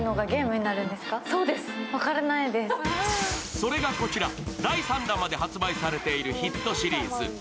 それがこちら、第３弾まで発売されているヒットシリーズ。